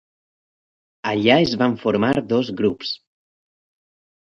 Allà es van formar dos grups.